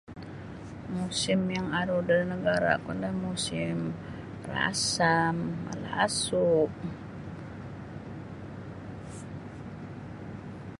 Musim yang aru da nagaraku no musim rasam malasu'.